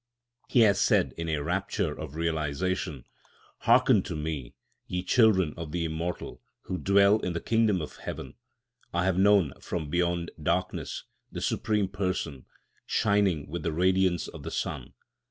He has said, in a rapture of realisation: "Hearken to me, ye children of the Immortal, who dwell in the Kingdom of Heaven. I have known, from beyond darkness, the Supreme Person, shining with the radiance of the sun."